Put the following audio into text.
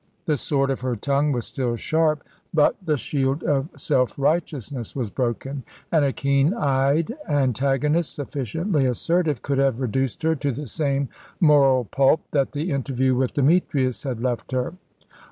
The sword of her tongue was still sharp, but the shield of self righteousness was broken, and a keen eyed antagonist sufficiently assertive could have reduced her to the same moral pulp that the interview with Demetrius had left her.